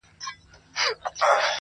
o د مرور برخه د کونه ور ده٫